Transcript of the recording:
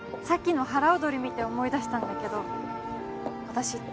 さっきの腹踊り見て思い出したんだけど私